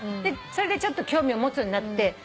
それでちょっと興味を持つようになって。